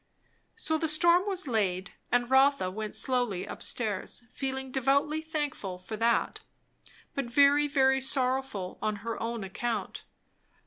So the storm was laid; and Rotha went slowly up stairs, feeling devoutly thankful for that, but very, very sorrowful on her own account.